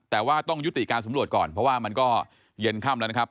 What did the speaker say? แต่ว่าต้องยุติการสำรวจก่อนเพราะว่ามันก็เย็นค่ำแล้วนะครับ